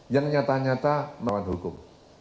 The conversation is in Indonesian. yang nyata nyata melawan hukum